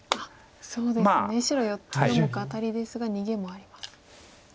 白４目アタリですが逃げもあります。